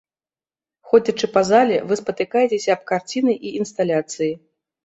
Ходзячы па зале, вы спатыкаецеся аб карціны і інсталяцыі.